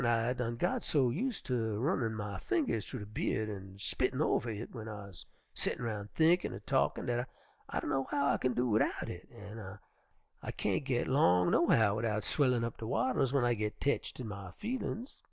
I done got so use ter runnin' my fingers thu de by'ud an' spittin' over hit w'en I'se settin' roun' thinkin' er talkin' dat I dunno how I kin do widout hit, an' I kain't git long, no how, widout swellin' up de wattles w'en I git tetched in my feelin's.